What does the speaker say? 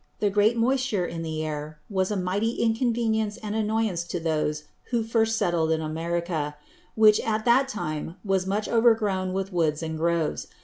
The great Moisture in the Air, was a mighty inconvenience and annoyance to those who first settled in America; which at that time was much overgrown with Woods and Groves.